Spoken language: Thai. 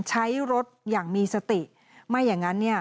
ใช้รถอย่างมีสติไม่อย่างนั้นเนี่ย